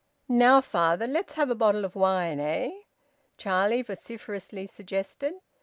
"Now father, let's have a bottle of wine, eh?" Charlie vociferously suggested.